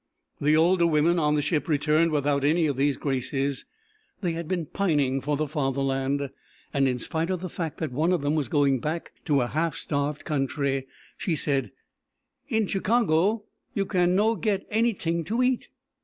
The older women on the ship returned without any of these graces. They had been pining for the Fatherland, and in spite of the fact that one of them was going back to a half starved country, she said: "In Chicago, you no can get any tink to eat."